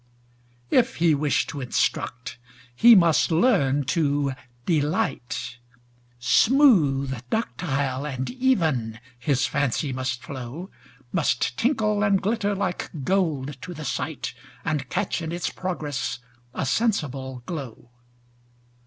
If he wish to instruct, he must learn to delight, Smooth, ductile, and even, his fancy must flow, Must tinkle and glitter like gold to the sight, And catch in its progress a sensible glow.